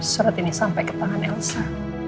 surat ini sampai ke tangan elsa